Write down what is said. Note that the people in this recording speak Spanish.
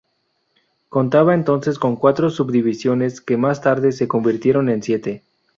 Contaba entonces con cuatro subdivisiones que más tarde se convirtieron en siete.